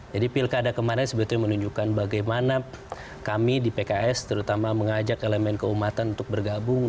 jadi pilkada kemarin sebetulnya menunjukkan bagaimana kami di pks terutama mengajak elemen keumatan untuk bergabung